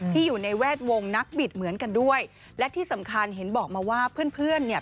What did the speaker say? อยู่ในแวดวงนักบิดเหมือนกันด้วยและที่สำคัญเห็นบอกมาว่าเพื่อนเพื่อนเนี่ย